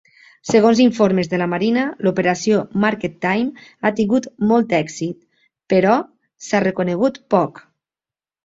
Segons informes de la Marina, l'operació Market Time ha tingut molt èxit, però s'ha reconegut poc.